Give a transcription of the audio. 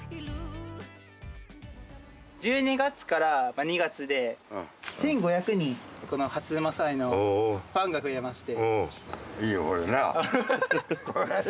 １２月から２月で１，５００人初午祭のファンが増えまして。